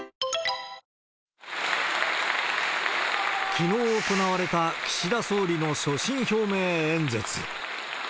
きのう行われた岸田総理の所信表明演説。